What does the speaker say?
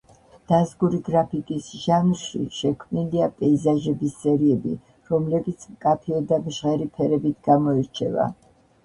დაზგური გრაფიკის ჟანრში შექმნილია პეიზაჟების სერიები, რომლებიც მკაფიო და მჟღერი ფერებით გამოირჩევა.